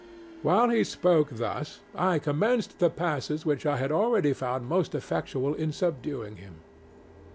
ŌĆØ While he spoke thus, I commenced the passes which I had already found most effectual in subduing him.